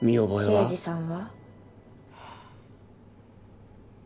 刑事さんは？